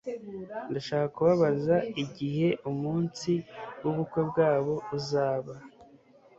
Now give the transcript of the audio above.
Ndashaka kubabaza igihe umunsi wubukwe bwabo uzaba